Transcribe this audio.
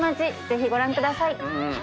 ぜひご覧ください。